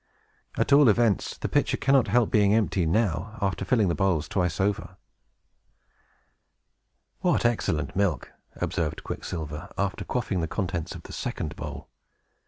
At all events, the pitcher cannot help being empty now, after filling the bowls twice over." "What excellent milk!" observed Quicksilver, after quaffing the contents of the second bowl.